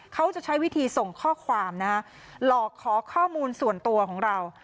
เขาจะใช้วิธีส่งข้อความนะฮะหลอกขอข้อมูลส่วนตัวของเรา